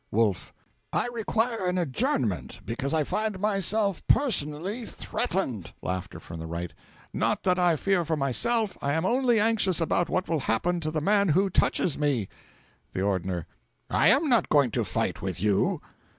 Wolf. 'I require an adjournment, because I find myself personally threatened. (Laughter from the Right.) Not that I fear for myself; I am only anxious about what will happen to the man who touches me.' The Ordner. 'I am not going to fight with you.'